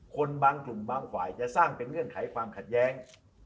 คนบางกลุ่มบางฝ่ายจะสร้างเป็นเงื่อนไขความขัดแย้ง